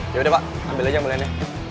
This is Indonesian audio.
yaudah pak ambil aja bulannya